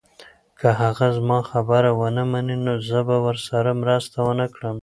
که هغه زما خبره ونه مني، زه به ورسره مرسته ونه کړم.